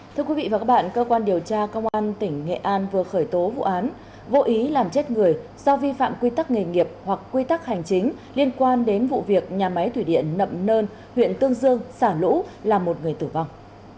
thưa quý vị và các bạn cơ quan điều tra công an tỉnh nghệ an vừa khởi tố vụ án vô ý làm chết người do vi phạm quy tắc nghề nghiệp hoặc quy tắc hành chính liên quan đến vụ việc nhà máy thủy điện nậm nơn huyện tương dương xả lũ làm một người tử vong